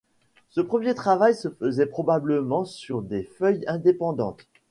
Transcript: Ce premier travail se faisait probablement sur des feuilles indépendantes.